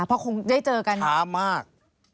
เพราะคงได้เจอกันช้ามาก